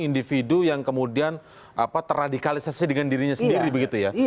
individu yang kemudian terradikalisasi dengan dirinya sendiri begitu ya